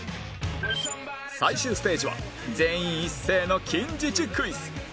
最終ステージは全員一斉の近似値クイズ